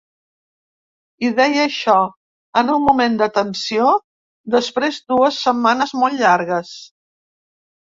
I deia això: En un moment de tensió, després dues setmanes molt llargues.